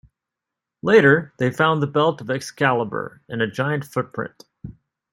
Later, they found the belt of Excalibur in a giant footprint.